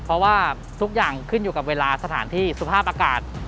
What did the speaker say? เพราะว่าทุกอย่างขึ้นอยู่กับเวลาสถานที่สภาพอากาศ